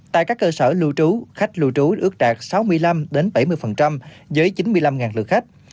tại các cơ sở lưu trú khách lưu trú ước đạt sáu mươi năm bảy mươi dưới chín mươi năm lượt khách